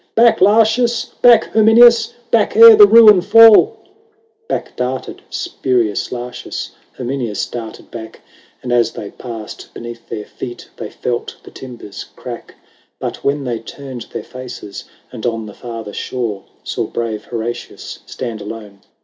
" Back, Lartius ! back, Herminius ! Back, ere the ruin fall !" LIV. Back darted Spurius Lartius ; Herminius darted back : And, as they passed, beneath their feet They felt the timbers crack. But when they turned their faces. And on the farther shore Saw brave Horatius stand alone.